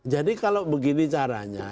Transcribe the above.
jadi kalau begini caranya